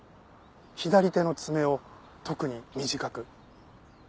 左手の爪を特に短く。